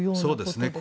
そうですね。